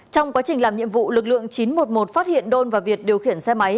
trong quá trình làm nhiệm vụ lực lượng chín trăm một mươi một phát hiện đôn và việt điều khiển xe máy